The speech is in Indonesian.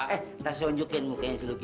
eh ntar sunjukin mukanya si luki ya